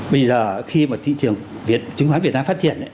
bây giờ khi mà thị trường chứng khoán việt nam phát triển ấy